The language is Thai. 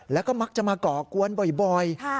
แล้วก็มักจะมาก่อกวนบ่อย